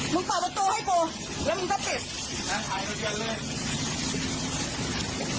มีใครอยู่กันไหม